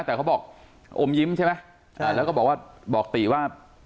แต่เขาบอกอมยิ้มใช่ไหมใช่แล้วก็บอกว่าบอกติว่า